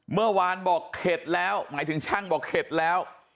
เมื่อวานบอกเข็ดแล้วหมายถึงช่างบอกเข็ดแล้ว